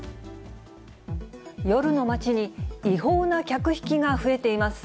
夜の街に違法な客引きが増えています。